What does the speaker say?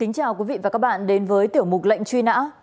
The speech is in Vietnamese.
kính chào quý vị và các bạn đến với tiểu mục lệnh truy nã